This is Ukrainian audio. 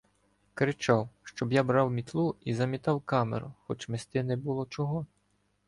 Кричав, щоб я брав мітлу і замітав камеру, хоч мести не було чого.